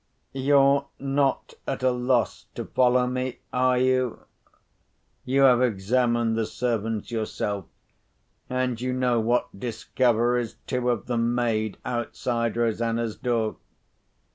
You're not at a loss to follow me, are you? You have examined the servants yourself, and you know what discoveries two of them made outside Rosanna's door.